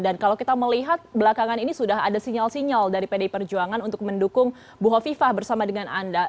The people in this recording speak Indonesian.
dan kalau kita melihat belakangan ini sudah ada sinyal sinyal dari pdi perjuangan untuk mendukung bu hovifah bersama dengan anda